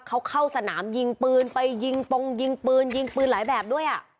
เขาเข้าสนามยิงปืนไปยิงตรงยิงปืนยิงปืนหลายแบบด้วยอ่ะ